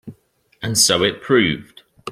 And so it proved.